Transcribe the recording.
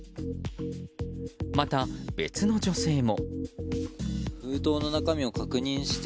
また、別の女性も。